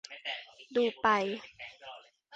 ดูไป